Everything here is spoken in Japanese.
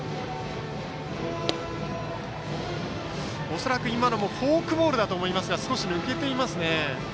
恐らく今のもフォークボールかと思いますが少し抜けていますね。